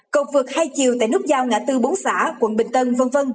cầu vượt hai chiều tại nút giao ngã tư bốn xã quận bình tân v v